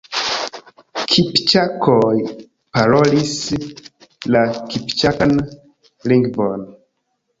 Kipĉakoj parolis la kipĉakan lingvon.